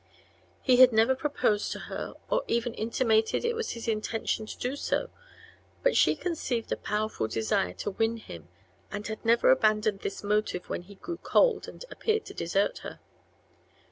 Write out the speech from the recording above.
He had never proposed to her or even intimated it was his intention to do so, but she conceived a powerful desire to win him and had never abandoned this motive when he grew cold and appeared to desert her.